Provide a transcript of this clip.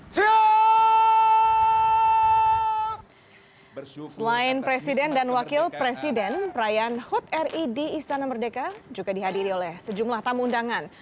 selain presiden dan wakil presiden perayaan hut ri di istana merdeka juga dihadiri oleh sejumlah tamu undangan